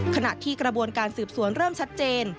ขณะที่กระบวนการสืบสวนเริ่มชัดเจน